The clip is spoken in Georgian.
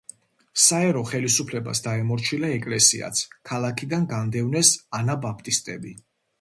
საერო ხელისუფლებას დაემორჩილა ეკლესიაც, ქალაქიდან განდევნეს ანაბაპტისტები.